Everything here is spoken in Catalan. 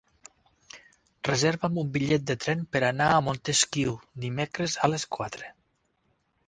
Reserva'm un bitllet de tren per anar a Montesquiu dimecres a les quatre.